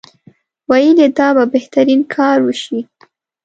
ویل یې دا به بهترین کار وشي.